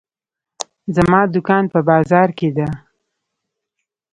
زما دوکان په بازار کې ده.